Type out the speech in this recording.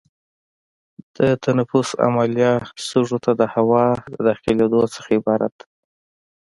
د تنفس عملیه سږو ته د هوا د داخلېدو څخه عبارت ده.